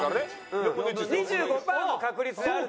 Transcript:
２５パーの確率である。